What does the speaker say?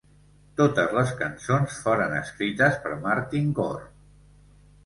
Totes les cançons foren escrites per Martin Gore.